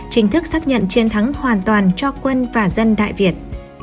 chính thức xác nhận chiến thắng hoàn toàn cho quân và dân đại việt